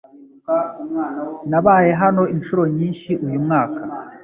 Nabaye hano inshuro nyinshi uyu mwaka.